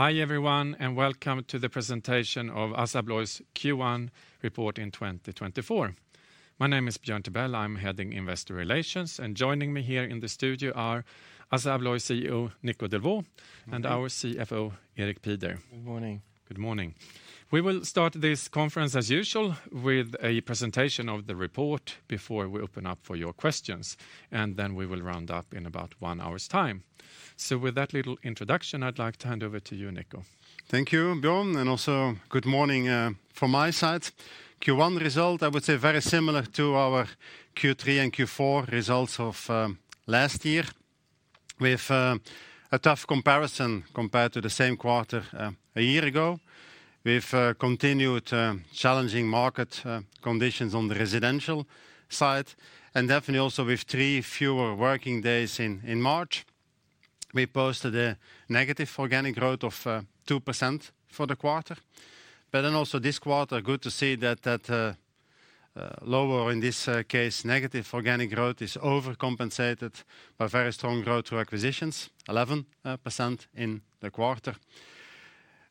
Hi everyone and welcome to the presentation of Assa Abloy's Q1 report in 2024. My name is Björn Tibell, I'm heading investor relations, and joining me here in the studio are Assa Abloy CEO Nico Delvaux and our CFO Erik Pieder. Good morning. Good morning. We will start this conference as usual with a presentation of the report before we open up for your questions, and then we will round up in about one hour's time. So with that little introduction, I'd like to hand over to you, Nico. Thank you, Björn, and also good morning from my side. Q1 result, I would say, very similar to our Q3 and Q4 results of last year. We have a tough comparison compared to the same quarter a year ago. We've continued challenging market conditions on the residential side, and definitely also with three fewer working days in March. We posted a negative organic growth of -2% for the quarter. But then also this quarter, good to see that that lower, in this case, negative organic growth is overcompensated by very strong growth through acquisitions, 11% in the quarter.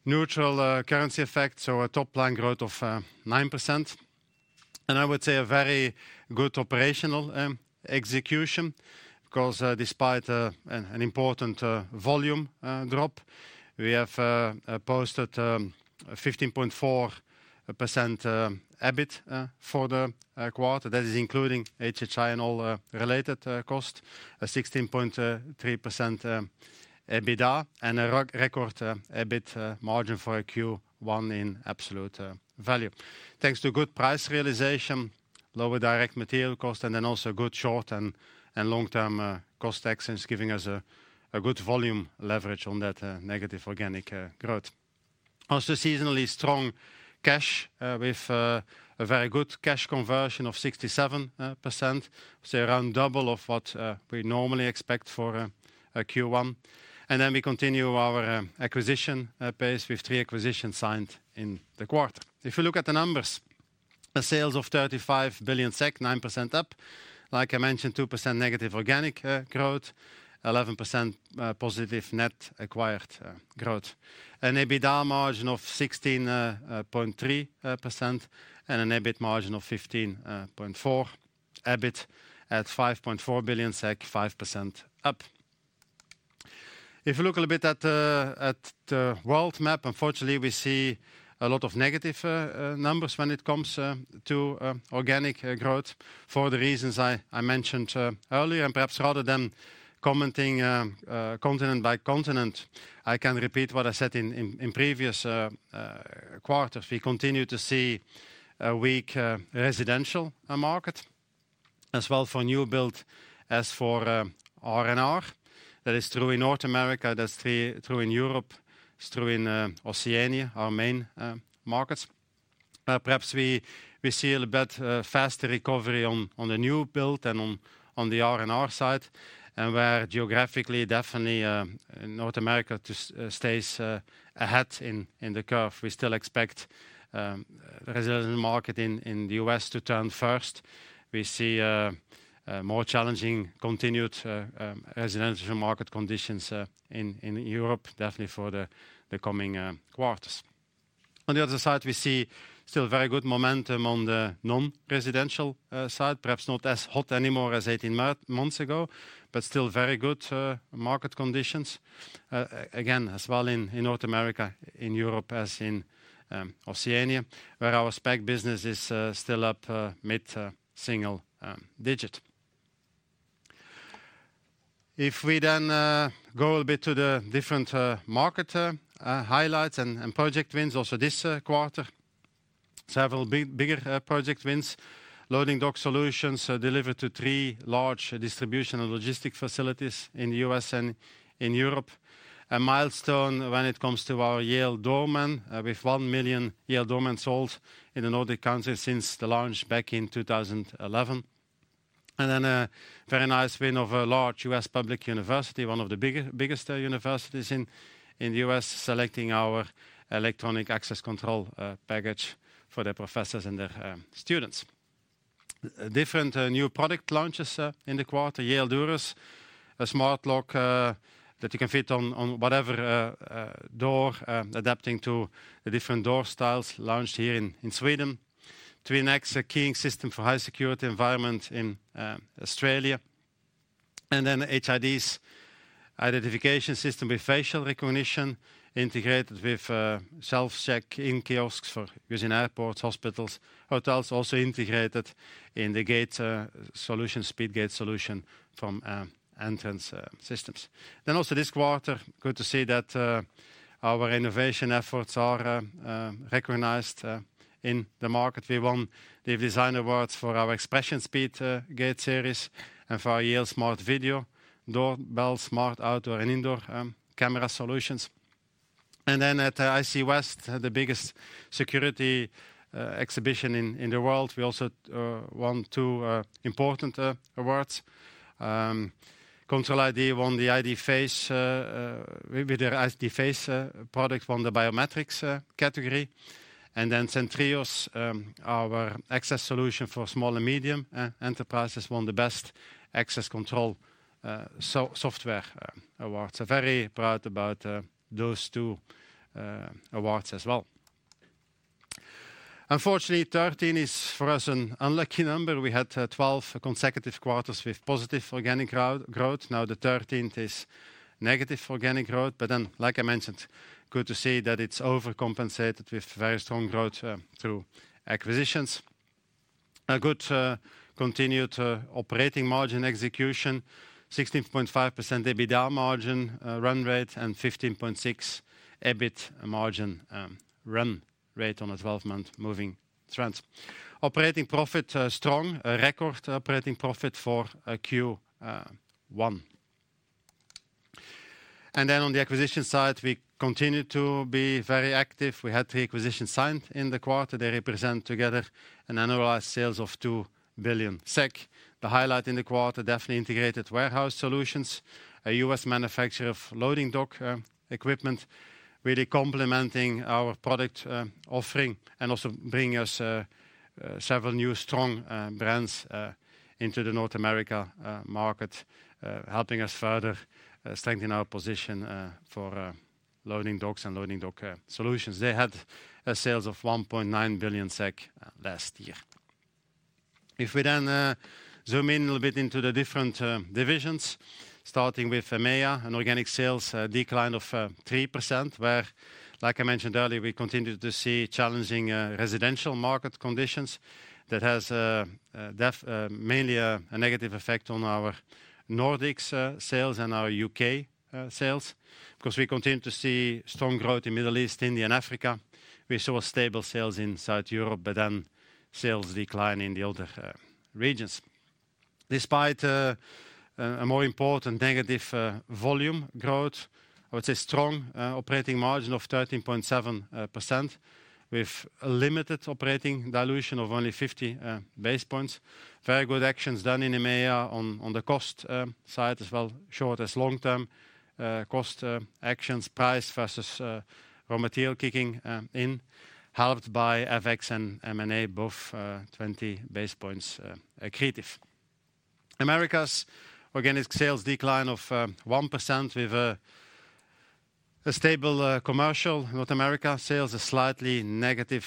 Neutral currency effect, so a top-line growth of 9%. And I would say a very good operational execution because despite an important volume drop, we have posted a 15.4% EBIT for the quarter. That is including HHI and all related costs, a 16.3% EBITDA, and a record EBIT margin for Q1 in absolute value. Thanks to good price realization, lower direct material cost, and then also good short and long-term cost exchange, giving us a good volume leverage on that negative organic growth. Also seasonally strong cash with a very good cash conversion of 67%, so around double of what we normally expect for Q1. And then we continue our acquisition pace with three acquisitions signed in the quarter. If you look at the numbers, sales of 35 billion SEK, 9% up. Like I mentioned, -2% organic growth, +11% net acquired growth. An EBITDA margin of 16.3% and an EBIT margin of 15.4%. EBIT at 5.4 billion SEK, 5% up. If you look a little bit at the world map, unfortunately we see a lot of negative numbers when it comes to organic growth for the reasons I mentioned earlier. Perhaps rather than commenting continent by continent, I can repeat what I said in previous quarters. We continue to see a weak residential market as well for new build as for R&R. That is true in North America, that's true in Europe, it's true in Oceania, our main markets. Perhaps we see a little bit faster recovery on the new build and on the R&R side, and where geographically definitely North America stays ahead in the curve. We still expect the residential market in the U.S. to turn first. We see more challenging continued residential market conditions in Europe, definitely for the coming quarters. On the other side, we see still very good momentum on the non-residential side, perhaps not as hot anymore as 18 months ago, but still very good market conditions. Again, as well in North America, in Europe, as in Oceania, where our spec business is still up mid-single digit. If we then go a little bit to the different market highlights and project wins, also this quarter, several bigger project wins. Loading dock solutions delivered to three large distribution and logistics facilities in the U.S. and in Europe. A milestone when it comes to our Yale Doorman, with 1 million Yale Doorman sold in the Nordic countries since the launch back in 2011. And then a very nice win of a large U.S. public university, one of the biggest universities in the U.S., selecting our electronic access control package for their professors and their students. Different new product launches in the quarter. Yale Durus, a smart lock that you can fit on whatever door, adapting to the different door styles, launched here in Sweden. TwinX, a keying system for high security environment in Australia. And then HID's identification system with facial recognition, integrated with self-check in kiosks using airports, hospitals, hotels, also integrated in the gate solution, speed gate solution from Entrance Systems. Then also this quarter, good to see that our innovation efforts are recognized in the market. We won the Design Awards for our Expression Speed Gate series and for our Yale Smart Video Doorbell, Smart Outdoor and Indoor Camera solutions. And then at ISC West, the biggest security exhibition in the world, we also won two important awards. Control iD won the iDFace with their iDFace product, won the biometrics category. Then Centrios, our access solution for small and medium enterprises, won the Best Access Control Software Awards. So very proud about those two awards as well. Unfortunately, 13 is for us an unlucky number. We had 12 consecutive quarters with positive organic growth. Now the 13th is negative organic growth. But then, like I mentioned, good to see that it's overcompensated with very strong growth through acquisitions. A good continued operating margin execution, 16.5% EBITDA margin run rate and 15.6% EBIT margin run rate on a 12-month moving trend. Operating profit strong, a record operating profit for Q1. Then on the acquisition side, we continue to be very active. We had three acquisitions signed in the quarter. They represent together an annualized sales of 2 billion. The highlight in the quarter, definitely Integrated Warehouse Solutions, a U.S. manufacturer of loading dock equipment, really complementing our product offering and also bringing us several new strong brands into the North America market, helping us further strengthen our position for loading docks and loading dock solutions. They had sales of 1.9 billion SEK last year. If we then zoom in a little bit into the different divisions, starting with Americas, an organic sales decline of 3%, where, like I mentioned earlier, we continue to see challenging residential market conditions. That has mainly a negative effect on our Nordics sales and our U.K. sales. Because we continue to see strong growth in the Middle East, India, and Africa. We saw stable sales in South Europe, but then sales decline in the other regions. Despite a more important negative volume growth, I would say strong operating margin of 13.7% with limited operating dilution of only 50 basis points. Very good actions done in Americas on the cost side as well, short- and long-term cost actions, price versus raw material kicking in, helped by FX and M&A, both 20 basis points accretive. Americas' organic sales decline of 1% with a stable commercial. North America sales are slightly negative,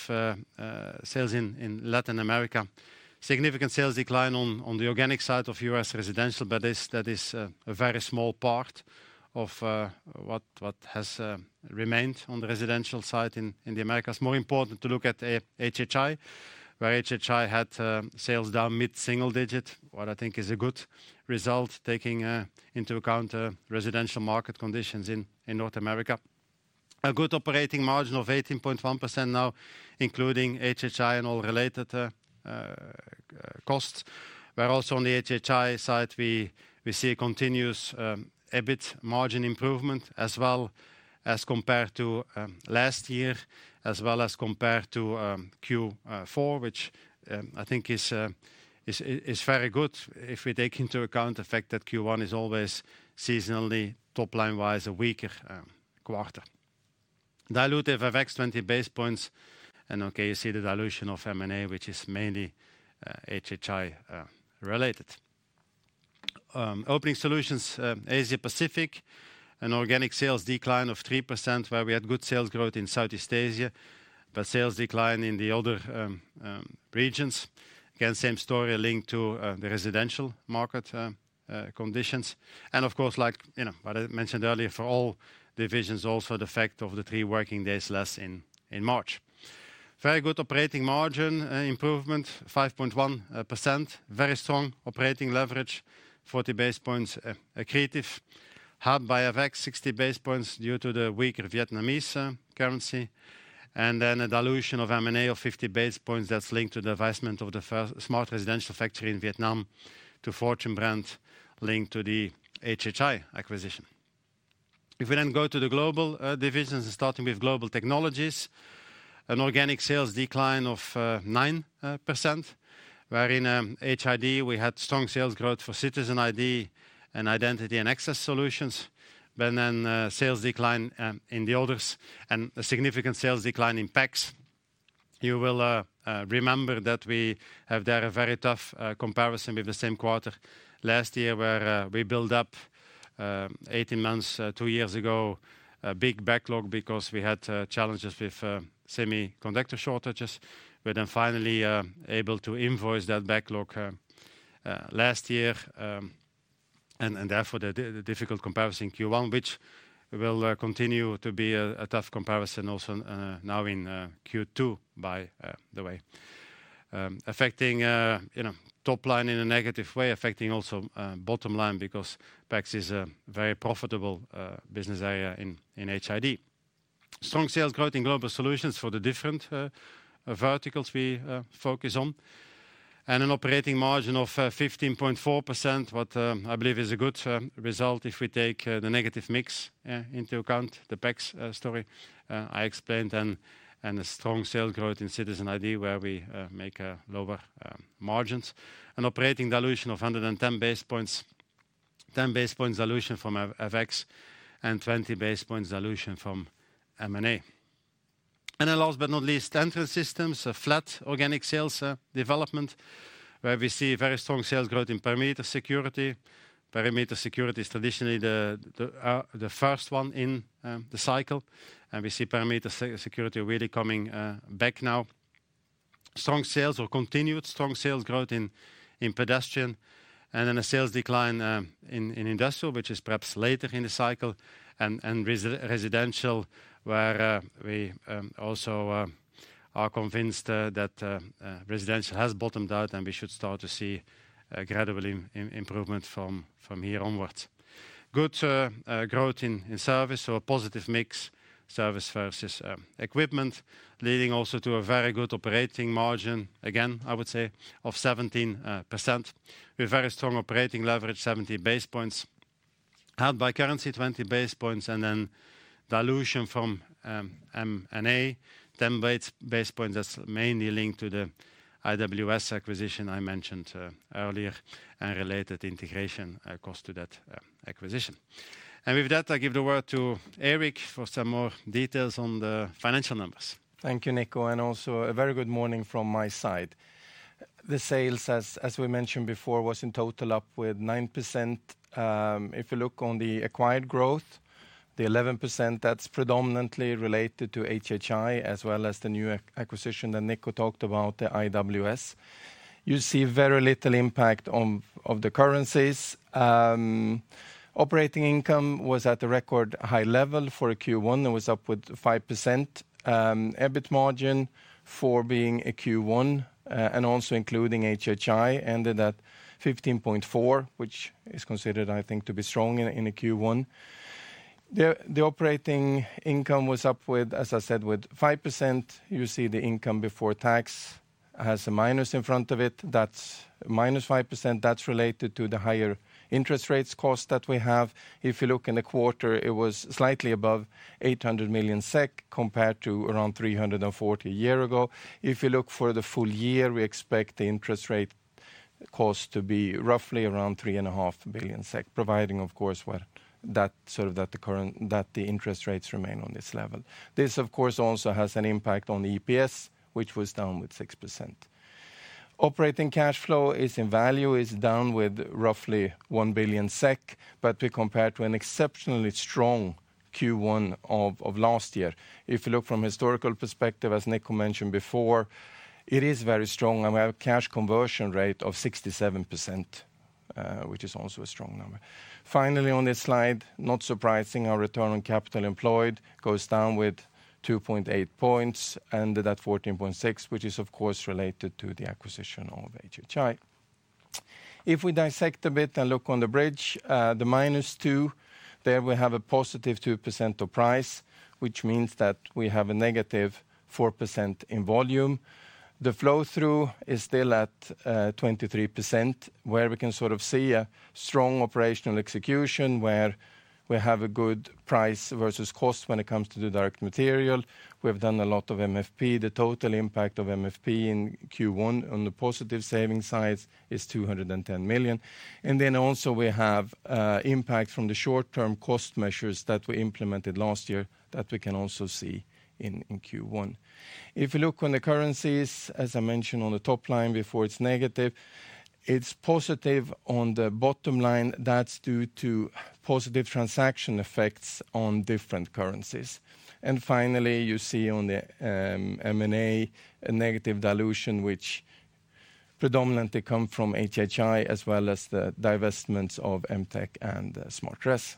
sales in Latin America. Significant sales decline on the organic side of U.S. residential, but that is a very small part of what has remained on the residential side in the Americas. More important to look at HHI, where HHI had sales down mid-single digit, what I think is a good result taking into account residential market conditions in North America. A good operating margin of 18.1% now, including HHI and all related costs. We're also on the HHI side seeing a continuous EBIT margin improvement as well as compared to last year, as well as compared to Q4, which I think is very good if we take into account the fact that Q1 is always seasonally, top-line-wise, a weaker quarter. Dilutive FX, 20 basis points. OK, you see the dilution of M&A, which is mainly HHI related. Opening Solutions, Asia Pacific, an organic sales decline of 3% where we had good sales growth in Southeast Asia, but sales decline in the other regions. Again, same story linked to the residential market conditions. Of course, like I mentioned earlier, for all divisions also the fact of the three working days less in March. Very good operating margin improvement, 5.1%, very strong operating leverage, 40 basis points accretive. Hit by FX, 60 basis points due to the weaker Vietnamese currency. Then a dilution of M&A of 50 basis points that's linked to the divestment of the smart residential factory in Vietnam to Fortune Brands linked to the HHI acquisition. If we then go to the global divisions, starting with Global Technologies, an organic sales decline of 9%, wherein in HID we had strong sales growth for Citizen ID and Identity and Access Solutions, but then sales decline in the others and a significant sales decline in PACS. You will remember that we have there a very tough comparison with the same quarter last year where we built up 18 months, two years ago, a big backlog because we had challenges with semiconductor shortages. We're then finally able to invoice that backlog last year. Therefore the difficult comparison Q1, which will continue to be a tough comparison also now in Q2 by the way, affecting top line in a negative way, affecting also bottom line because PACS is a very profitable business area in HID. Strong sales growth in global solutions for the different verticals we focus on. An operating margin of 15.4%, what I believe is a good result if we take the negative mix into account, the PACS story I explained then, and a strong sales growth in Citizen ID where we make lower margins. An operating dilution of 110 basis points, 10 basis points dilution from FX and 20 basis points dilution from M&A. Then last but not least, Entrance Systems, a flat organic sales development where we see very strong sales growth in perimeter security. Perimeter security is traditionally the first one in the cycle. We see perimeter security really coming back now. Strong sales or continued strong sales growth in pedestrian. And then a sales decline in industrial, which is perhaps later in the cycle. And residential where we also are convinced that residential has bottomed out and we should start to see gradually improvement from here onwards. Good growth in service, so a positive mix, service versus equipment, leading also to a very good operating margin, again I would say, of 17%. We have very strong operating leverage, 70 basis points. Headwind from currency, 20 basis points. And then dilution from M&A, 10 basis points that's mainly linked to the IWS acquisition I mentioned earlier and related integration cost to that acquisition. And with that, I give the word to Erik for some more details on the financial numbers. Thank you, Nico. And also a very good morning from my side. The sales, as we mentioned before, was in total up with 9%. If you look on the acquired growth, the 11%, that's predominantly related to HHI as well as the new acquisition that Nico talked about, the IWS. You see very little impact of the currencies. Operating income was at a record high level for Q1. It was up with 5%. EBIT margin for being a Q1 and also including HHI ended at 15.4%, which is considered, I think, to be strong in a Q1. The operating income was up with, as I said, with 5%. You see the income before tax has a minus in front of it. That's minus 5%. That's related to the higher interest rates cost that we have. If you look in the quarter, it was slightly above 800 million SEK compared to around 340 million SEK a year ago. If you look for the full year, we expect the interest rate cost to be roughly around 3.5 billion SEK, providing of course that the interest rates remain on this level. This, of course, also has an impact on EPS, which was down with 6%. Operating cash flow is in value, is down with roughly 1 billion SEK, but we compare to an exceptionally strong Q1 of last year. If you look from a historical perspective, as Nico mentioned before, it is very strong. And we have a cash conversion rate of 67%, which is also a strong number. Finally, on this slide, not surprising, our return on capital employed goes down with 2.8 points, ended at 14.6%, which is of course related to the acquisition of HHI. If we dissect a bit and look on the bridge, the -2%, there we have a +2% of price, which means that we have a -4% in volume. The flow through is still at 23% where we can sort of see a strong operational execution where we have a good price versus cost when it comes to the direct material. We have done a lot of MFP. The total impact of MFP in Q1 on the positive savings side is 210 million. And then also we have impact from the short-term cost measures that we implemented last year that we can also see in Q1. If you look on the currencies, as I mentioned on the top line before, it's negative. It's positive on the bottom line. That's due to positive transaction effects on different currencies. And finally, you see on the M&A a negative dilution, which predominantly come from HHI as well as the divestments of Emtek and SmartRes. If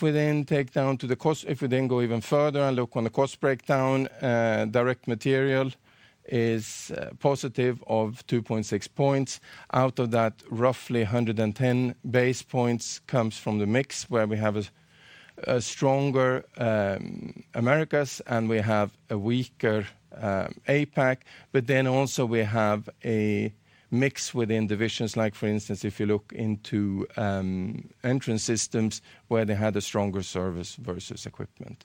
we then take down to the cost, if we then go even further and look on the cost breakdown, direct material is positive of 2.6 points. Out of that, roughly 110 basis points comes from the mix where we have a stronger Americas and we have a weaker APAC. But then also we have a mix within divisions like, for instance, if you look into Entrance Systems where they had a stronger service versus equipment.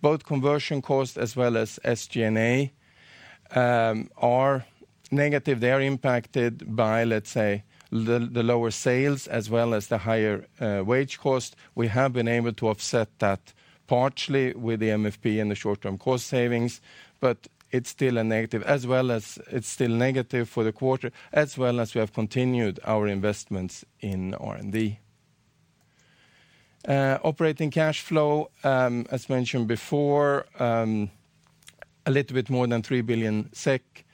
Both conversion cost as well as SG&A are negative. They are impacted by, let's say, the lower sales as well as the higher wage cost. We have been able to offset that partially with the MFP and the short-term cost savings. But it's still a negative as well as it's still negative for the quarter as well as we have continued our investments in R&D. Operating cash flow, as mentioned before, a little bit more than 3 billion SEK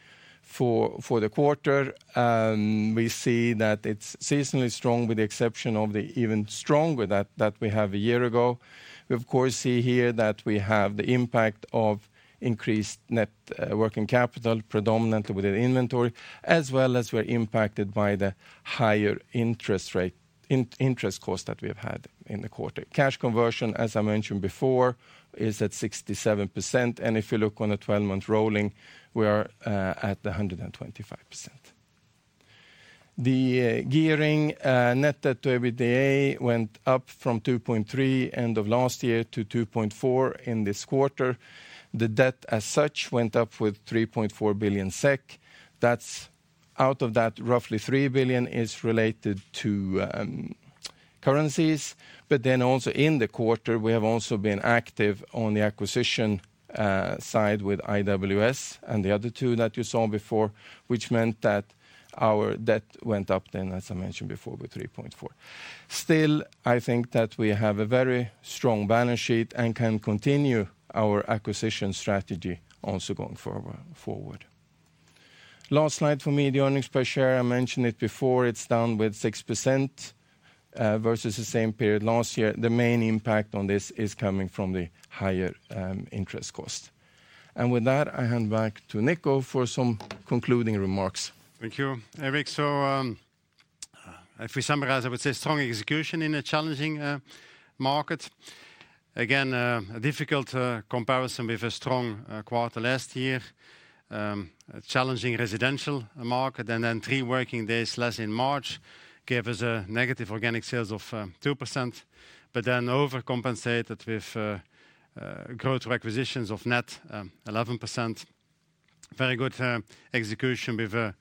for the quarter. We see that it's seasonally strong with the exception of the even stronger that we have a year ago. We, of course, see here that we have the impact of increased net working capital, predominantly within inventory, as well as we're impacted by the higher interest rate interest cost that we have had in the quarter. Cash conversion, as I mentioned before, is at 67%. And if you look on the 12-month rolling, we are at 125%. The gearing, net debt to EBITDA, went up from 2.3% end of last year to 2.4% in this quarter. The debt as such went up with 3.4 billion SEK. Out of that, roughly 3 billion is related to currencies. But then also in the quarter, we have also been active on the acquisition side with IWS and the other two that you saw before, which meant that our debt went up then, as I mentioned before, with 3.4%. Still, I think that we have a very strong balance sheet and can continue our acquisition strategy also going forward. Last slide for me, the earnings per share. I mentioned it before. It's down with 6% versus the same period last year. The main impact on this is coming from the higher interest cost. And with that, I hand back to Nico for some concluding remarks. Thank you, Erik. So if we summarize, I would say strong execution in a challenging market. Again, a difficult comparison with a strong quarter last year. A challenging residential market. And then three working days less in March gave us a negative organic sales of 2%, but then overcompensated with growth acquisitions of net 11%. Very good execution with a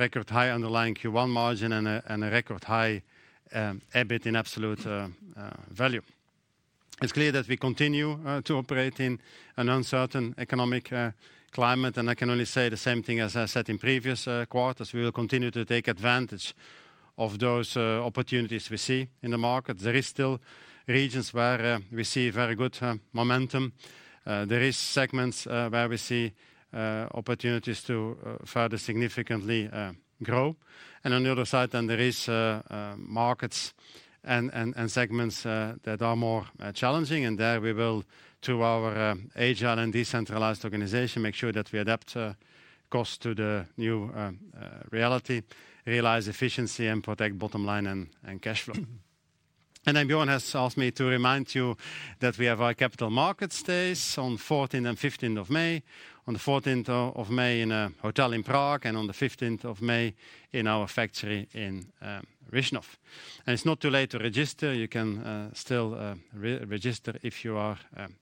record high underlying Q1 margin and a record high EBIT in absolute value. It's clear that we continue to operate in an uncertain economic climate. And I can only say the same thing as I said in previous quarters. We will continue to take advantage of those opportunities we see in the market. There are still regions where we see very good momentum. There are segments where we see opportunities to further significantly grow. And on the other side then, there are markets and segments that are more challenging. There we will, through our agile and decentralized organization, make sure that we adapt cost to the new reality, realize efficiency, and protect bottom line and cash flow. Then Björn has asked me to remind you that we have our Capital Markets Days on 14th and 15th of May. On the 14th of May in a hotel in Prague and on the 15th of May in our factory in Rychnov. It's not too late to register. You can still register if you are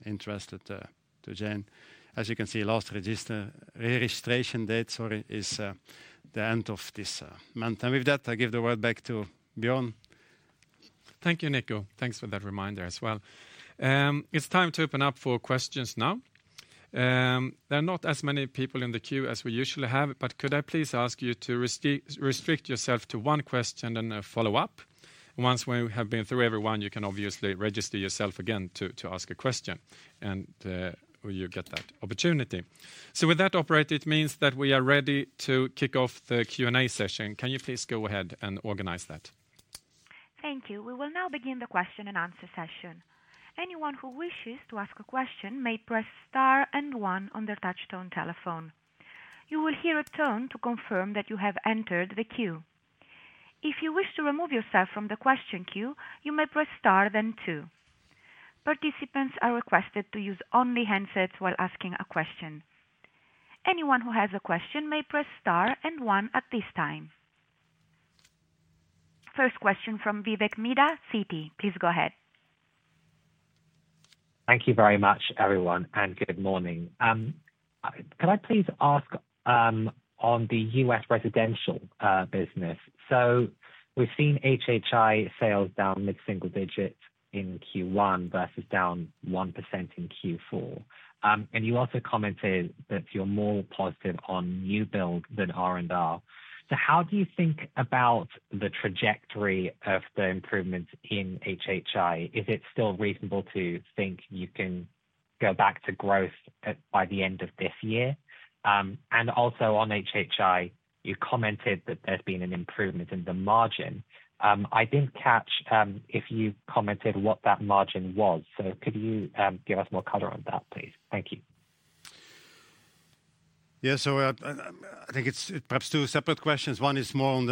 interested to join. As you can see, last registration date, sorry, is the end of this month. With that, I give the word back to Björn. Thank you, Nico. Thanks for that reminder as well. It's time to open up for questions now. There are not as many people in the queue as we usually have. But could I please ask you to restrict yourself to one question and follow up? Once we have been through everyone, you can obviously register yourself again to ask a question. And you get that opportunity. So with that, operator, it means that we are ready to kick off the Q&A session. Can you please go ahead and organize that? Thank you. We will now begin the question and answer session. Anyone who wishes to ask a question may press star and one on their touch-tone telephone. You will hear a tone to confirm that you have entered the queue. If you wish to remove yourself from the question queue, you may press star then two. Participants are requested to use only handsets while asking a question. Anyone who has a question may press star and one at this time. First question from Vivek Midha, Citi. Please go ahead. Thank you very much, everyone, and good morning. Can I please ask on the U.S. residential business? We've seen HHI sales down mid-single digit in Q1 versus down 1% in Q4. You also commented that you're more positive on new build than R&R. How do you think about the trajectory of the improvements in HHI? Is it still reasonable to think you can go back to growth by the end of this year? Also on HHI, you commented that there's been an improvement in the margin. I didn't catch if you commented what that margin was. Could you give us more color on that, please? Thank you. Yeah. So I think it's perhaps two separate questions. One is more on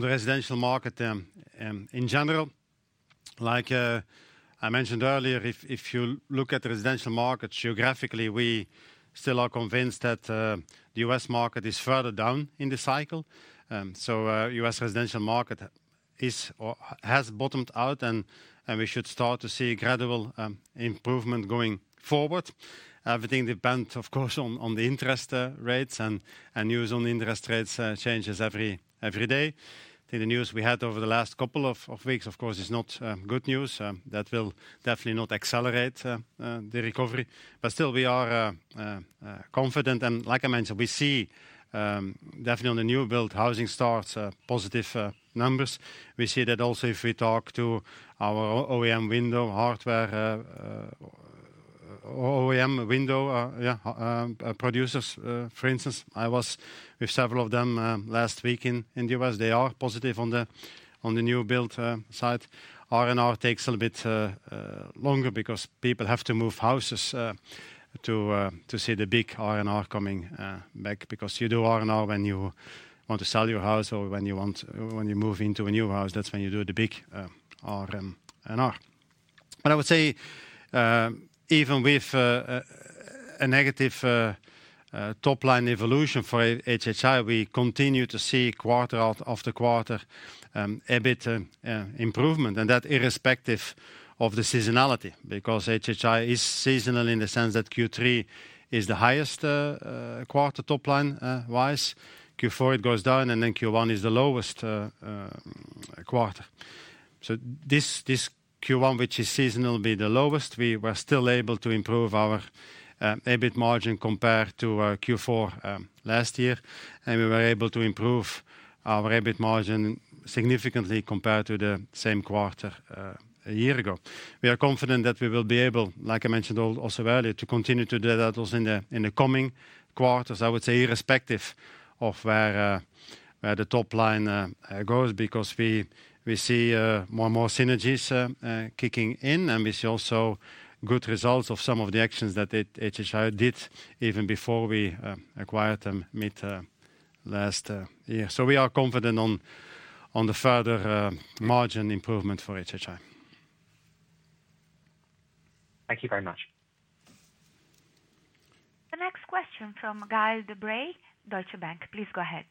the residential market in general. Like I mentioned earlier, if you look at the residential market geographically, we still are convinced that the U.S. market is further down in the cycle. So the U.S. residential market has bottomed out. And we should start to see gradual improvement going forward. Everything depends, of course, on the interest rates. And news on interest rates changes every day. I think the news we had over the last couple of weeks, of course, is not good news. That will definitely not accelerate the recovery. But still, we are confident. And like I mentioned, we see definitely on the new build, housing starts, positive numbers. We see that also if we talk to our OEM window hardware OEM window, yeah, producers, for instance, I was with several of them last week in the U.S. They are positive on the new build side. R&R takes a little bit longer because people have to move houses to see the big R&R coming back. Because you do R&R when you want to sell your house or when you move into a new house. That's when you do the big R&R. But I would say even with a negative top line evolution for HHI, we continue to see quarter after quarter EBIT improvement. That irrespective of the seasonality. Because HHI is seasonal in the sense that Q3 is the highest quarter top line wise. Q4 it goes down. Then Q1 is the lowest quarter. So this Q1, which is seasonal, will be the lowest. We were still able to improve our EBIT margin compared to Q4 last year. We were able to improve our EBIT margin significantly compared to the same quarter a year ago. We are confident that we will be able, like I mentioned also earlier, to continue to do that also in the coming quarters, I would say, irrespective of where the top line goes. Because we see more and more synergies kicking in. We see also good results of some of the actions that HHI did even before we acquired them mid last year. So we are confident on the further margin improvement for HHI. Thank you very much. The next question from Gaël de-Bray, Deutsche Bank. Please go ahead.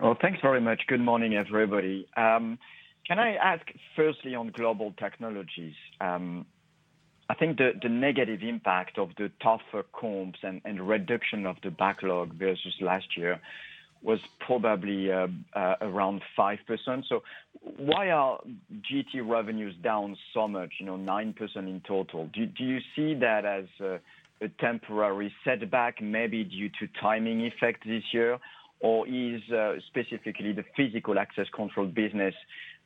Well, thanks very much. Good morning, everybody. Can I ask firstly on global technologies? I think the negative impact of the tougher comps and reduction of the backlog versus last year was probably around 5%. So why are GT revenues down so much, 9% in total? Do you see that as a temporary setback, maybe due to timing effect this year? Or is specifically the physical access control business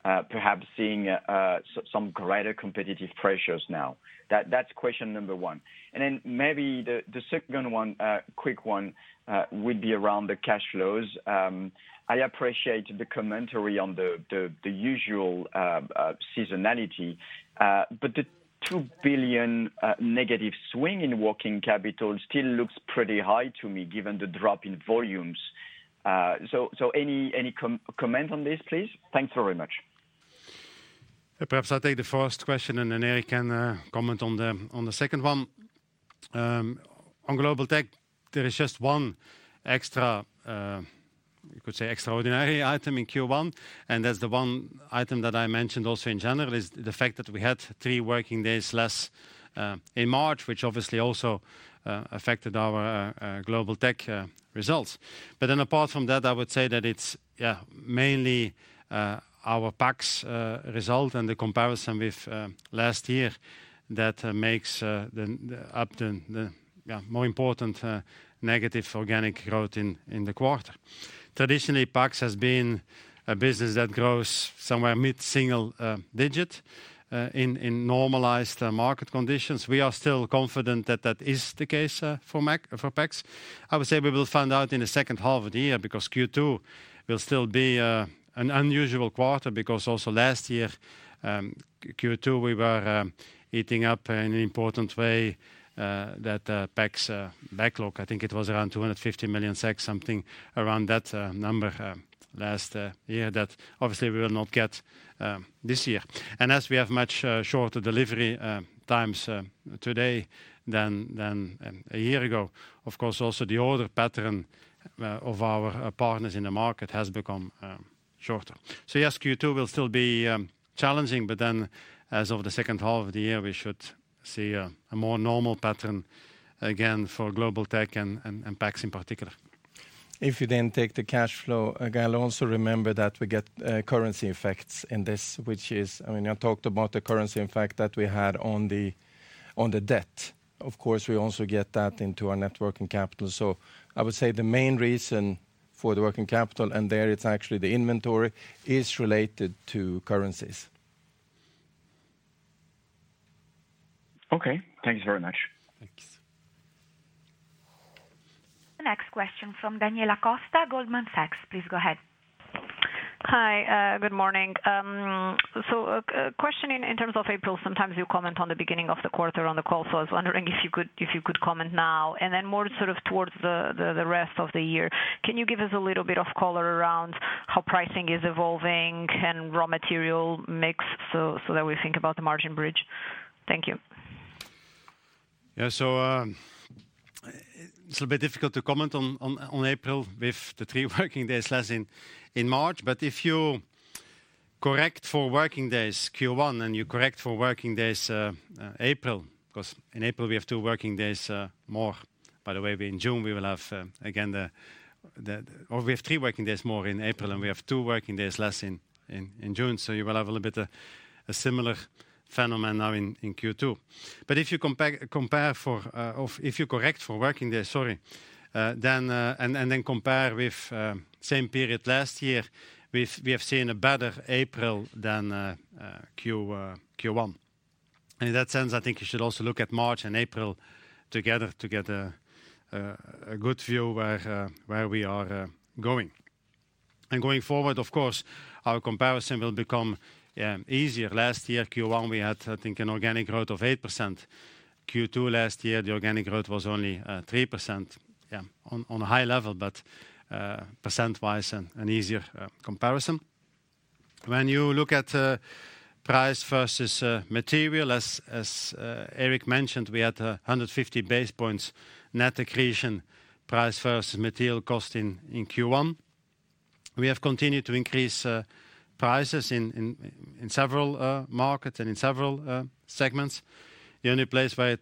perhaps seeing some greater competitive pressures now? That's question number one. And then maybe the second one, quick one, would be around the cash flows. I appreciate the commentary on the usual seasonality. But the 2 billion negative swing in working capital still looks pretty high to me given the drop in volumes. So any comment on this, please? Thanks very much. Perhaps I'll take the first question. Then Erik can comment on the second one. On global tech, there is just one extra, you could say, extraordinary item in Q1. That's the one item that I mentioned also in general, is the fact that we had three working days less in March, which obviously also affected our global tech results. But then apart from that, I would say that it's, yeah, mainly our PACS result and the comparison with last year that makes up the more important negative organic growth in the quarter. Traditionally, PACS has been a business that grows somewhere mid-single digit in normalized market conditions. We are still confident that that is the case for PACS. I would say we will find out in the second half of the year. Because Q2 will still be an unusual quarter. Because also last year, Q2, we were eating up in an important way that PACS backlog. I think it was around 250 million, something around that number last year that obviously we will not get this year. And as we have much shorter delivery times today than a year ago, of course, also the order pattern of our partners in the market has become shorter. So yes, Q2 will still be challenging. But then as of the second half of the year, we should see a more normal pattern again for global tech and PACS in particular. If you then take the cash flow, Gaël, also remember that we get currency effects in this, which is, I mean, you talked about the currency effect that we had on the debt. Of course, we also get that into our net working capital. I would say the main reason for the working capital, and there it's actually the inventory, is related to currencies. OK. Thank you very much. Thanks. The next question from Daniela Costa, Goldman Sachs. Please go ahead. Hi. Good morning. A question in terms of April. Sometimes you comment on the beginning of the quarter on the call. I was wondering if you could comment now. Then more sort of towards the rest of the year. Can you give us a little bit of color around how pricing is evolving and raw material mix so that we think about the margin bridge? Thank you. Yeah. So it's a little bit difficult to comment on April with the 3 working days less in March. But if you correct for working days Q1 and you correct for working days April because in April we have 2 working days more. By the way, in June, we will have again the or we have 3 working days more in April. And we have 2 working days less in June. So you will have a little bit of a similar phenomenon now in Q2. But if you compare for if you correct for working days, sorry, then and then compare with same period last year, we have seen a better April than Q1. And in that sense, I think you should also look at March and April together to get a good view where we are going. And going forward, of course, our comparison will become easier. Last year, Q1, we had, I think, an organic growth of 8%. Q2 last year, the organic growth was only 3%, yeah, on a high level. But percent-wise, an easier comparison. When you look at price versus material, as Erik mentioned, we had 150 basis points net accretion price versus material cost in Q1. We have continued to increase prices in several markets and in several segments. The only place where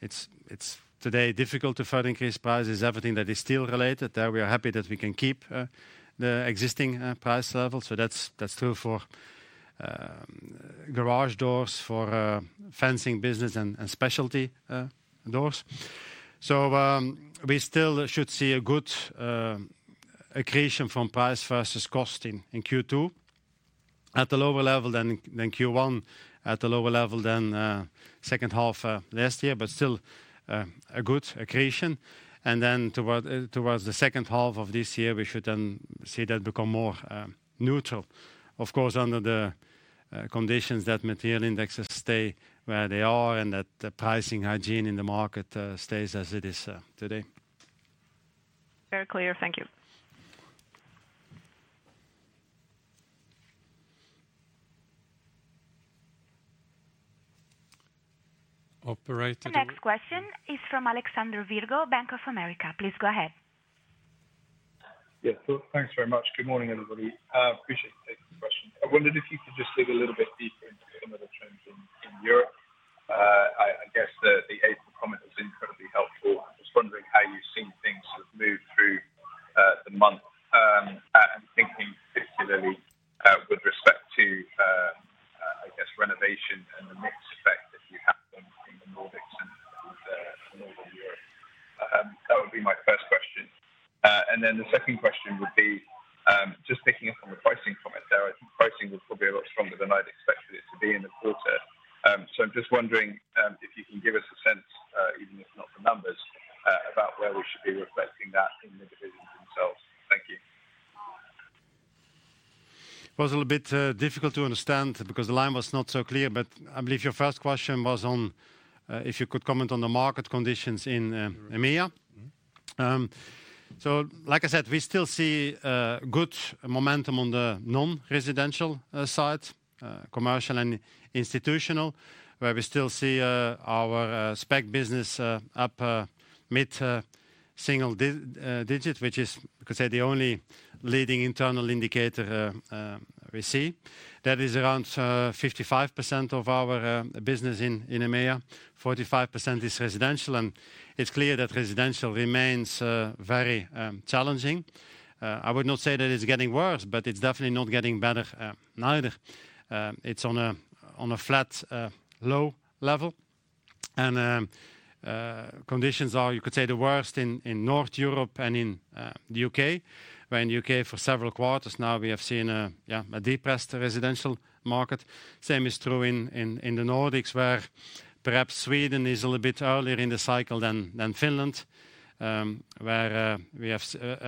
it's today difficult to further increase price is everything that is still related. There we are happy that we can keep the existing price level. So that's true for garage doors, for fencing business, and specialty doors. So we still should see a good accretion from price versus cost in Q2 at the lower level than Q1, at the lower level than second half last year. But still a good accretion. Then towards the second half of this year, we should then see that become more neutral, of course, under the conditions that material indexes stay where they are and that the pricing hygiene in the market stays as it is today. Very clear. Thank you. Operated. The next question is from Alexander Virgo, Bank of America. Please go ahead. Yeah. So thanks very much. Good morning, everybody. Appreciate you taking the question. I wondered if you could just dig a little bit deeper into some of the trends in Europe. I guess the April comment was incredibly helpful. I was wondering how you've seen things sort of move through the month and thinking particularly with respect to, I guess, renovation and the mixed effect that you have in the Nordics and Northern Europe. That would be my first question. And then the second question would be just picking up on the pricing comment there. I think pricing will probably be a lot stronger than I'd expected it to be in the quarter. So I'm just wondering if you can give us a sense, even if not the numbers, about where we should be reflecting that in the divisions themselves. Thank you. It was a little bit difficult to understand because the line was not so clear. I believe your first question was on if you could comment on the market conditions in EMEA. Like I said, we still see good momentum on the non-residential side, commercial and institutional, where we still see our spec business up mid-single digit, which is, you could say, the only leading internal indicator we see. That is around 55% of our business in EMEA. 45% is residential. It's clear that residential remains very challenging. I would not say that it's getting worse. It's definitely not getting better either. It's on a flat low level. Conditions are, you could say, the worst in North Europe and in the U.K., where in the U.K., for several quarters now, we have seen a depressed residential market. Same is true in the Nordics, where perhaps Sweden is a little bit earlier in the cycle than Finland, where we have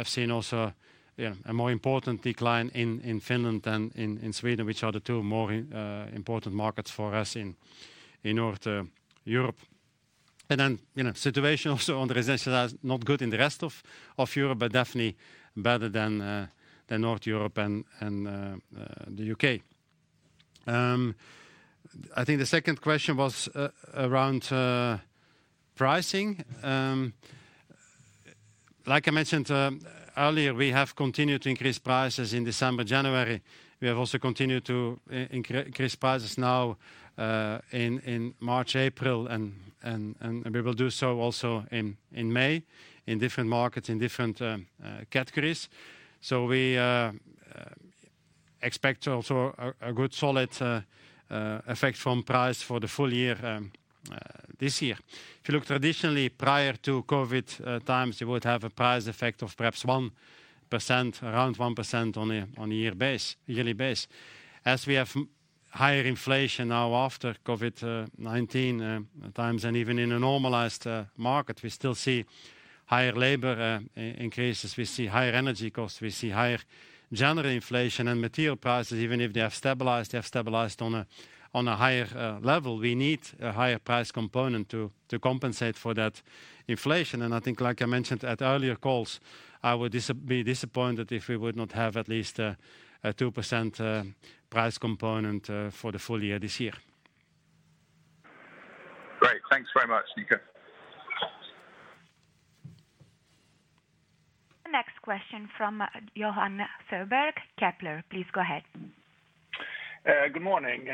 seen also a more important decline in Finland than in Sweden, which are the two more important markets for us in North Europe. And then situation also on the residential side is not good in the rest of Europe, but definitely better than North Europe and the U.K. I think the second question was around pricing. Like I mentioned earlier, we have continued to increase prices in December, January. We have also continued to increase prices now in March, April. And we will do so also in May in different markets, in different categories. So we expect also a good solid effect from price for the full year this year. If you look traditionally, prior to COVID times, you would have a price effect of perhaps 1%, around 1% on a yearly basis. As we have higher inflation now after COVID-19 times and even in a normalized market, we still see higher labor increases. We see higher energy costs. We see higher general inflation. And material prices, even if they have stabilized, they have stabilized on a higher level. We need a higher price component to compensate for that inflation. And I think, like I mentioned at earlier calls, I would be disappointed if we would not have at least a 2% price component for the full year this year. Great. Thanks very much, Nico. The next question from Johan Eliason, Kepler. Please go ahead. Good morning.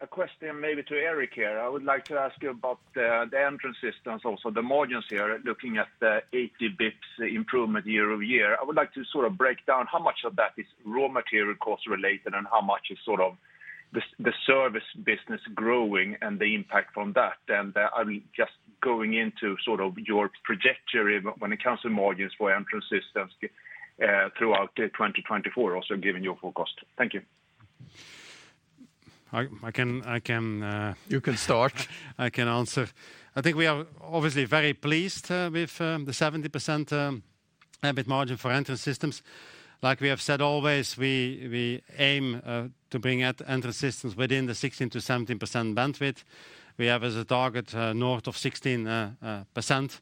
A question maybe to Erik here. I would like to ask you about the Entrance Systems also, the margins here, looking at the 80 bps improvement year-over-year. I would like to sort of break down how much of that is raw material cost related and how much is sort of the service business growing and the impact from that. And I'm just going into sort of your trajectory when it comes to margins for Entrance Systems throughout 2024, also given your forecast. Thank you. I think we are obviously very pleased with the 70% margin for Entrance Systems. Like we have said always, we aim to bring Entrance Systems within the 16%-17% bandwidth. We have as a target north of 16%.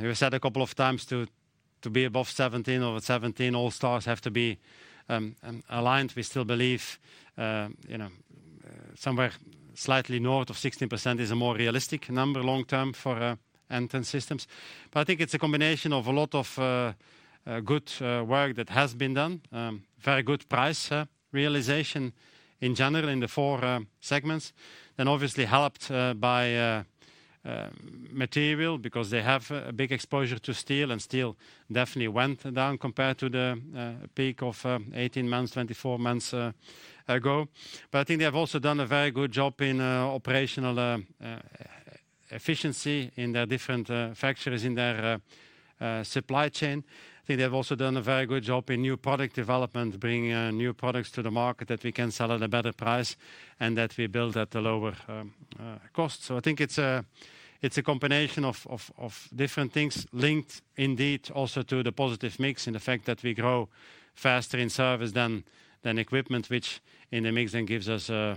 We said a couple of times to be above 17% or 17%. All stars have to be aligned. We still believe somewhere slightly north of 16% is a more realistic number long term for Entrance Systems. But I think it's a combination of a lot of good work that has been done, very good price realization in general in the four segments, then obviously helped by material because they have a big exposure to steel. And steel definitely went down compared to the peak of 18 months, 24 months ago. I think they have also done a very good job in operational efficiency in their different factories, in their supply chain. I think they have also done a very good job in new product development, bringing new products to the market that we can sell at a better price and that we build at a lower cost. I think it's a combination of different things linked indeed also to the positive mix in the fact that we grow faster in service than equipment, which in the mix then gives us a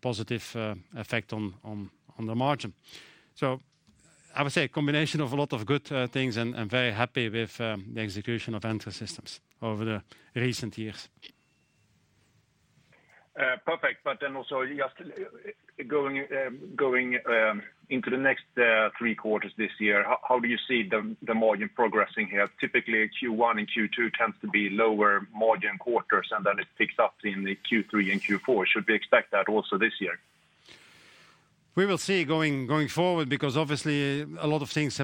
positive effect on the margin. I would say a combination of a lot of good things. I'm very happy with the execution of Entrance Systems over the recent years. Perfect. But then also just going into the next three quarters this year, how do you see the margin progressing here? Typically, Q1 and Q2 tend to be lower margin quarters. And then it picks up in Q3 and Q4. Should we expect that also this year? We will see going forward. Because obviously, a lot of things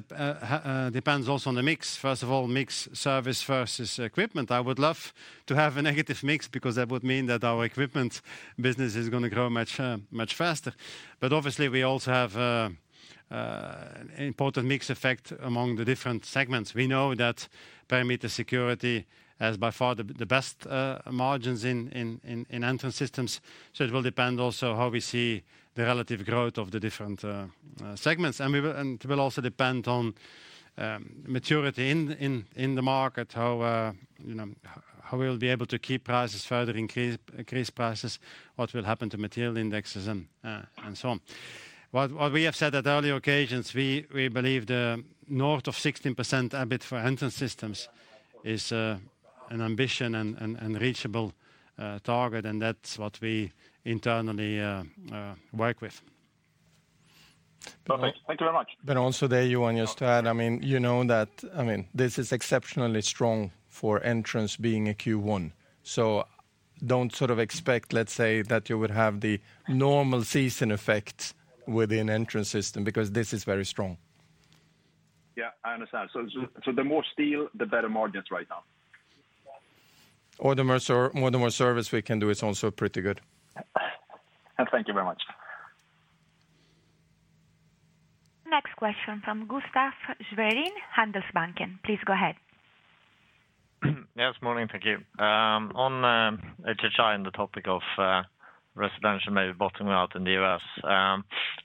depends also on the mix. First of all, mix service versus equipment. I would love to have a negative mix. Because that would mean that our equipment business is going to grow much faster. But obviously, we also have an important mix effect among the different segments. We know that perimeter security has by far the best margins in Entrance Systems. So it will depend also how we see the relative growth of the different segments. And it will also depend on maturity in the market, how we will be able to keep prices further increase, increase prices, what will happen to material indexes, and so on. What we have said at earlier occasions, we believe the north of 16% EBIT for Entrance Systems is an ambition and reachable target. And that's what we internally work with. Perfect. Thank you very much. But also there, Johan, just to add, I mean, you know that I mean, this is exceptionally strong for entrance being a Q1. So don't sort of expect, let's say, that you would have the normal season effect within entrance system because this is very strong. Yeah. I understand. The more steel, the better margins right now. Or, the more service we can do is also pretty good. Thank you very much. The next question from Gustaf Schwerin, Handelsbanken. Please go ahead. Yes. Morning. Thank you. On HHI and the topic of residential maybe bottoming out in the U.S.,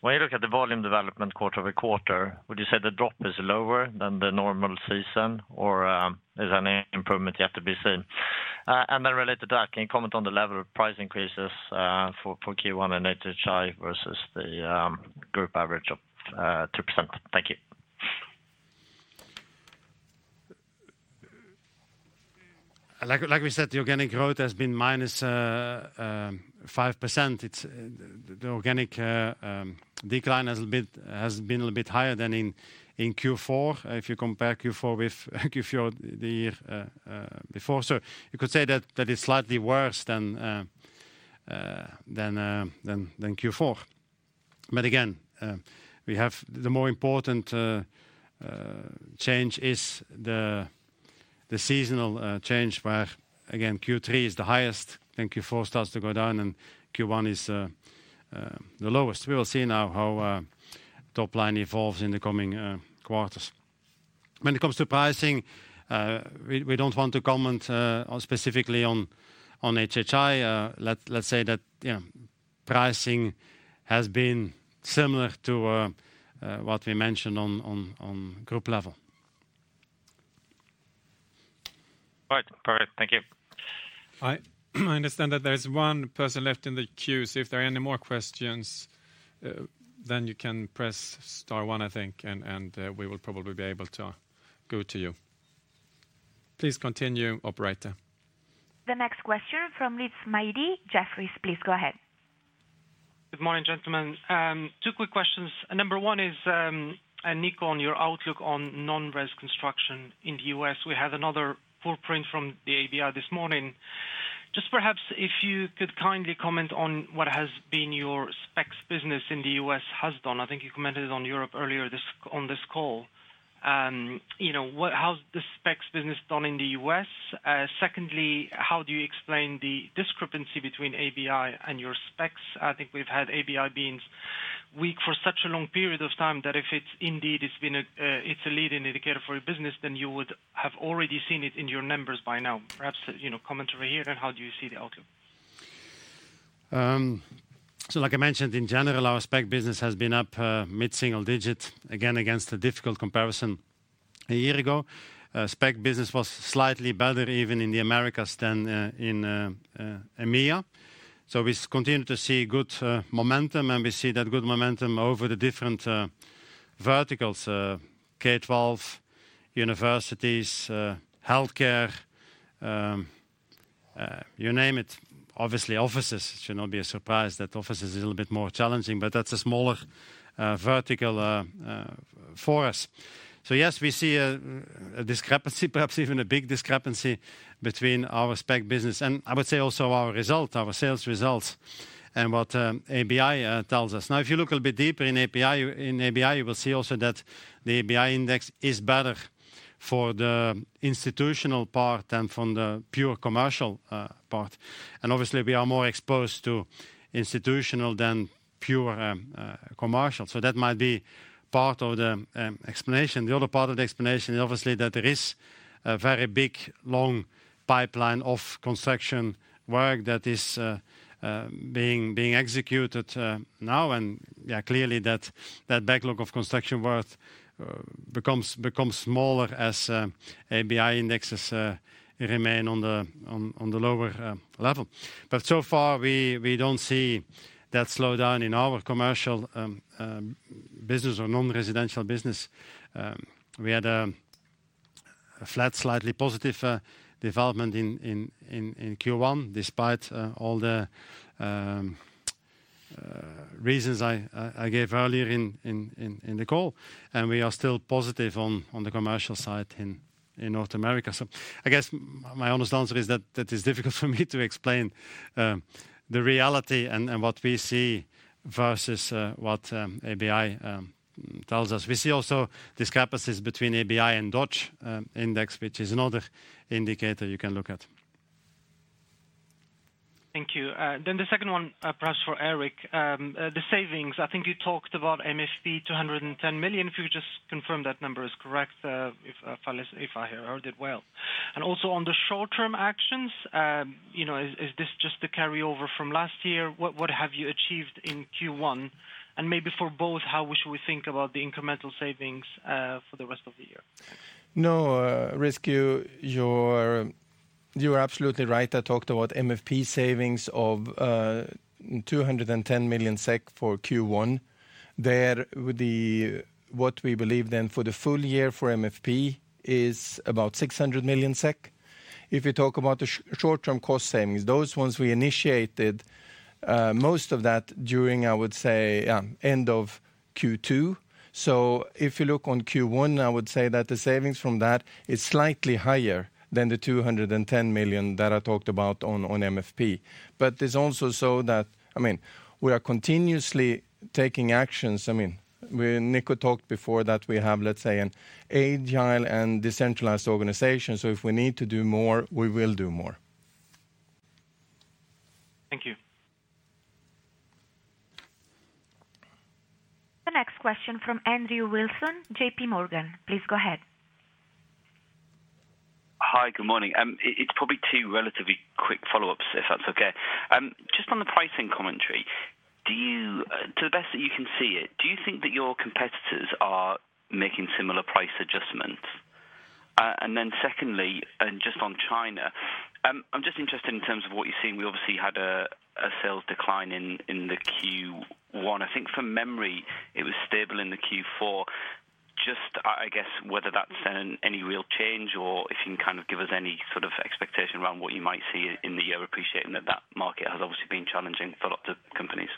when you look at the volume development quarter-over-quarter, would you say the drop is lower than the normal season? Or is any improvement yet to be seen? And then related to that, can you comment on the level of price increases for Q1 in HHI versus the group average of 2%? Thank you. Like we said, the organic growth has been -5%. The organic decline has been a little bit higher than in Q4 if you compare Q4 with Q4 the year before. So you could say that it's slightly worse than Q4. But again, the more important change is the seasonal change where, again, Q3 is the highest. Then Q4 starts to go down. And Q1 is the lowest. We will see now how top line evolves in the coming quarters. When it comes to pricing, we don't want to comment specifically on HHI. Let's say that pricing has been similar to what we mentioned on group level. All right. Perfect. Thank you. I understand that there is one person left in the queue. So if there are any more questions, then you can press star 1, I think. And we will probably be able to go to you. Please continue, Operator. The next question from Rizk Maidi, Jefferies. Please go ahead. Good morning, gentlemen. Two quick questions. Number one is, Nico, on your outlook on non-res construction in the U.S. We had another print from the ABI this morning. Just perhaps if you could kindly comment on what has been your specs business in the U.S. has done. I think you commented on Europe earlier on this call. How's the specs business done in the U.S.? Secondly, how do you explain the discrepancy between ABI and your specs? I think we've had ABI been weak for such a long period of time that if it indeed is a leading indicator for your business, then you would have already seen it in your numbers by now. Perhaps comment over here. How do you see the outlook? So like I mentioned, in general, our spec business has been up mid-single digit, again, against a difficult comparison a year ago. Spec business was slightly better, even in the Americas, than in EMEA. So we continue to see good momentum. And we see that good momentum over the different verticals: K-12, universities, health care, you name it. Obviously, offices. It should not be a surprise that offices is a little bit more challenging. But that's a smaller vertical for us. So yes, we see a discrepancy, perhaps even a big discrepancy, between our spec business and I would say also our results, our sales results, and what ABI tells us. Now, if you look a little bit deeper in ABI, you will see also that the ABI index is better for the institutional part than for the pure commercial part. Obviously, we are more exposed to institutional than pure commercial. So that might be part of the explanation. The other part of the explanation is obviously that there is a very big, long pipeline of construction work that is being executed now. And yeah, clearly, that backlog of construction work becomes smaller as ABI indexes remain on the lower level. But so far, we don't see that slowdown in our commercial business or non-residential business. We had a flat, slightly positive development in Q1 despite all the reasons I gave earlier in the call. And we are still positive on the commercial side in North America. So I guess my honest answer is that it is difficult for me to explain the reality and what we see versus what ABI tells us. We see also discrepancies between ABI and Dodge index, which is another indicator you can look at. Thank you. Then the second one, perhaps for Erik, the savings. I think you talked about MFP, 210 million. If you could just confirm that number is correct, if I heard it well. And also on the short-term actions, is this just the carryover from last year? What have you achieved in Q1? And maybe for both, how should we think about the incremental savings for the rest of the year? No. Thank you, you are absolutely right. I talked about MFP savings of 210 million SEK for Q1. There, what we believe then for the full year for MFP is about 600 million SEK. If you talk about the short-term cost savings, those ones we initiated, most of that during, I would say, end of Q2. So if you look on Q1, I would say that the savings from that is slightly higher than the 210 million that I talked about on MFP. But it's also so that, I mean, we are continuously taking actions. I mean, Nico talked before that we have, let's say, an agile and decentralized organization. So if we need to do more, we will do more. Thank you. The next question from Andrew Wilson, J.P. Morgan. Please go ahead. Hi. Good morning. It's probably two relatively quick follow-ups, if that's OK. Just on the pricing commentary, to the best that you can see it, do you think that your competitors are making similar price adjustments? And then secondly, and just on China, I'm just interested in terms of what you're seeing. We obviously had a sales decline in the Q1. I think from memory, it was stable in the Q4. Just I guess whether that's any real change or if you can kind of give us any sort of expectation around what you might see in the year, appreciating that that market has obviously been challenging for lots of companies.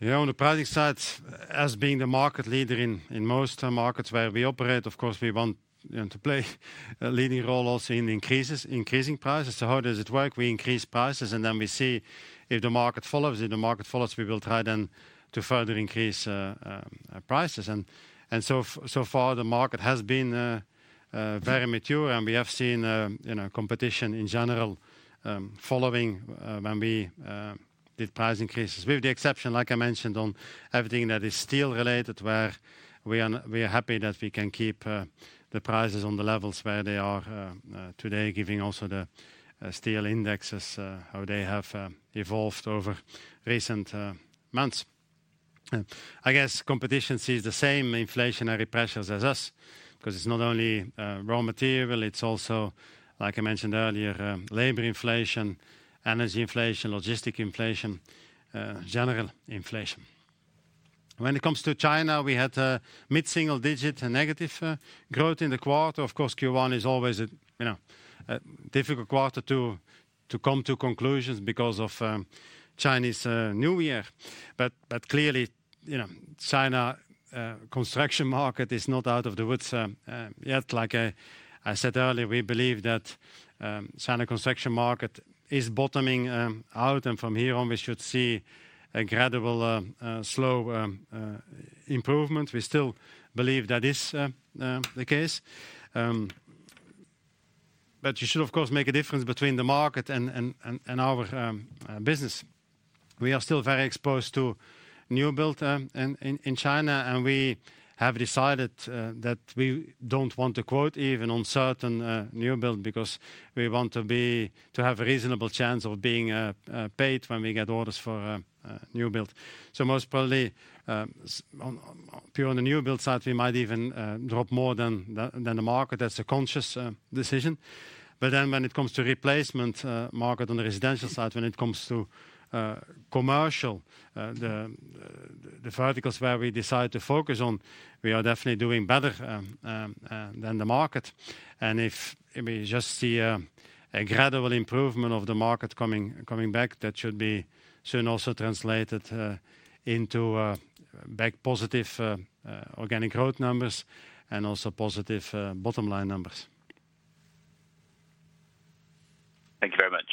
Yeah. On the pricing side, as being the market leader in most markets where we operate, of course, we want to play a leading role also in increasing prices. So how does it work? We increase prices. And then we see if the market follows. If the market follows, we will try then to further increase prices. And so far, the market has been very mature. And we have seen competition in general following when we did price increases, with the exception, like I mentioned, on everything that is steel related where we are happy that we can keep the prices on the levels where they are today, giving also the steel indexes how they have evolved over recent months. I guess competition sees the same inflationary pressures as us because it's not only raw material. It's also, like I mentioned earlier, labor inflation, energy inflation, logistic inflation, general inflation. When it comes to China, we had a mid-single digit negative growth in the quarter. Of course, Q1 is always a difficult quarter to come to conclusions because of Chinese New Year. Clearly, China construction market is not out of the woods yet. Like I said earlier, we believe that China construction market is bottoming out. From here on, we should see a gradual, slow improvement. We still believe that is the case. You should, of course, make a difference between the market and our business. We are still very exposed to new build in China. We have decided that we don't want to quote even on certain new build because we want to have a reasonable chance of being paid when we get orders for new build. Most probably, pure on the new build side, we might even drop more than the market. That's a conscious decision. But then when it comes to replacement market on the residential side, when it comes to commercial, the verticals where we decide to focus on, we are definitely doing better than the market. And if we just see a gradual improvement of the market coming back, that should be soon also translated into back positive organic growth numbers and also positive bottom line numbers. Thank you very much.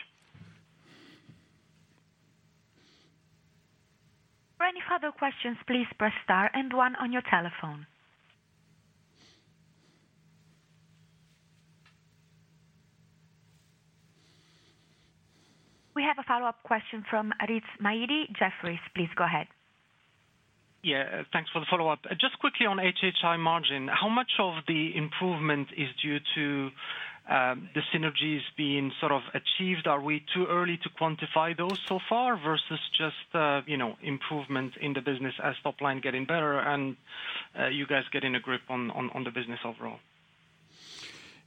For any further questions, please press star and one on your telephone. We have a follow-up question from Rizk Maidi. Jefferies, please go ahead. Yeah. Thanks for the follow-up. Just quickly on HHI margin, how much of the improvement is due to the synergies being sort of achieved? Are we too early to quantify those so far versus just improvement in the business as top line getting better and you guys getting a grip on the business overall?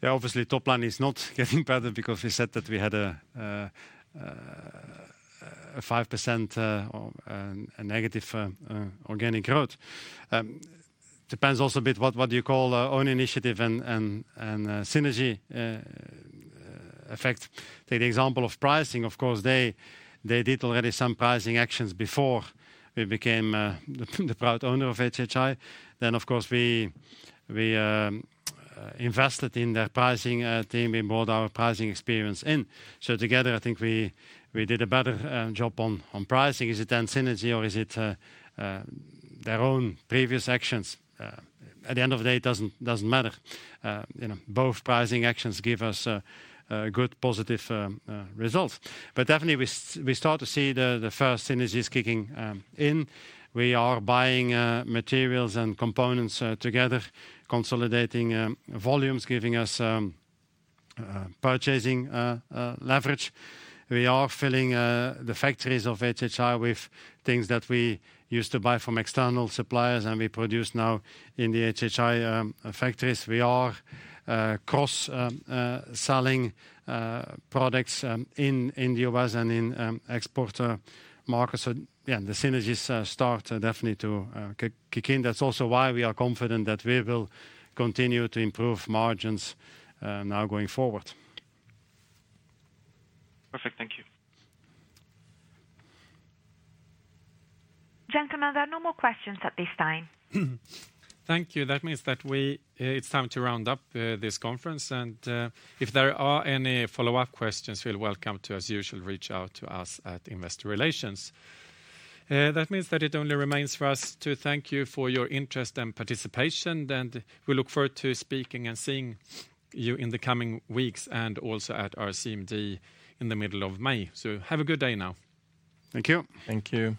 Yeah. Obviously, top line is not getting better because we said that we had a 5% negative organic growth. Depends also a bit what do you call own initiative and synergy effect? Take the example of pricing. Of course, they did already some pricing actions before we became the proud owner of HHI. Then, of course, we invested in their pricing team. We brought our pricing experience in. So together, I think we did a better job on pricing. Is it then synergy? Or is it their own previous actions? At the end of the day, it doesn't matter. Both pricing actions give us good, positive results. But definitely, we start to see the first synergies kicking in. We are buying materials and components together, consolidating volumes, giving us purchasing leverage. We are filling the factories of HHI with things that we used to buy from external suppliers. We produce now in the HHI factories. We are cross-selling products in the U.S. and in export markets. So yeah, the synergies start definitely to kick in. That's also why we are confident that we will continue to improve margins now going forward. Perfect. Thank you. you, no more questions at this time. Thank you. That means that it's time to round up this conference. And if there are any follow-up questions, feel welcome to, as usual, reach out to us at Investor Relations. That means that it only remains for us to thank you for your interest and participation. And we look forward to speaking and seeing you in the coming weeks and also at our CMD in the middle of May. So have a good day now. Thank you. Thank you.